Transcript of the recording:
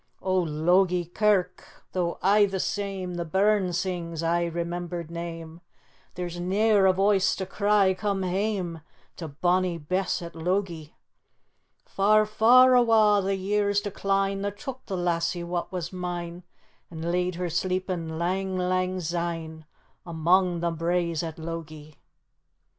"O Logie Kirk, tho' aye the same, The burn sings ae remembered name, There's ne'er a voice to cry 'Come hame To bonnie Bess at Logie!' "Far, far awa' the years decline That took the lassie wha was mine And laid her sleepin' lang, lang syne Among the braes at Logie."